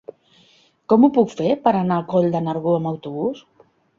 Com ho puc fer per anar a Coll de Nargó amb autobús?